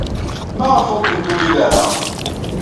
Maɣef ur kent-tulil ara?